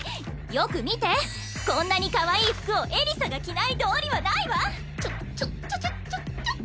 よく見てこんなにかわいい服をエリサが着ない道理はないわちょっちょちょっちょっ